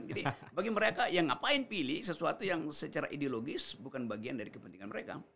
jadi bagi mereka yang ngapain pilih sesuatu yang secara ideologis bukan bagian dari kepentingan mereka